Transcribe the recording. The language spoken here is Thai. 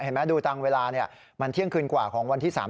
เห็นมั้ยดูตรงเวลาเนี่ยมันเที่ยงคืนกว่าของวันที่๓๐